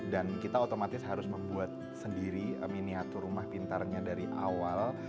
dan kita otomatis harus membuat sendiri miniatur rumah pintarnya dari awal